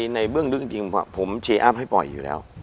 ในเบื้องลึกจริงผมเชียร์อัพให้ปล่อยอยู่แล้ว